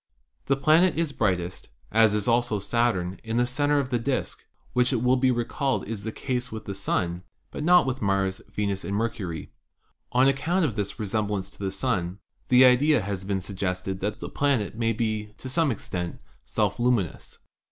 The planet is brightest, as is also Saturn, in the center of the disk, which it will be recalled is the case with the Sun, but not with Mars, Venus and Mercury. On account of this resemblance to the ■ Sun, the idea has been sug gested that the planet may be, to some extent, self luminous.